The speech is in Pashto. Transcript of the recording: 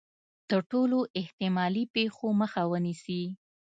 د ټولو احتمالي پېښو مخه ونیسي.